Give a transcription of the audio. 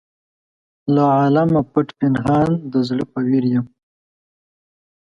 له عالمه پټ پنهان د زړه په ویر یم.